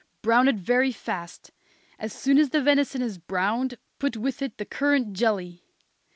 Brown it very fast. As soon as the venison is browned put with it the currant jelly.